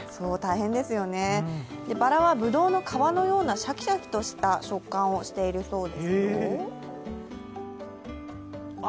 バラはぶどうの皮のようなシャキシャキとした食感をしているそうですよ。